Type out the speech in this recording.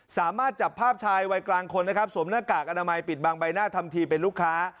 สามารถจับภาพชายวัยกลางคนนะครับสวมหน้ากากอนามัยปิดบางใบหน้าทำทีเป็นลูกค้า